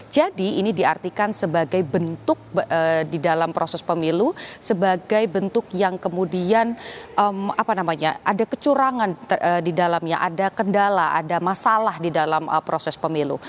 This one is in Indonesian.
jadi ini diartikan sebagai bentuk di dalam proses pemilu sebagai bentuk yang kemudian ada kecurangan di dalamnya ada kendala ada masalah di dalam proses pemilu